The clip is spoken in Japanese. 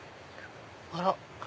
あら！